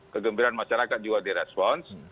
kegembiraan masyarakat juga di response